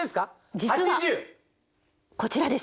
実はこちらです。